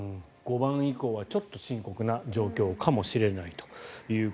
５番以降はちょっと深刻な状況かもしれないと。